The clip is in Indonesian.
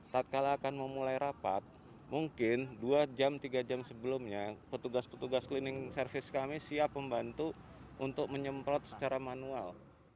tak kalah akan memulai rapat mungkin dua jam tiga jam sebelumnya petugas petugas cleaning service kami siap membantu untuk menyemprot secara manual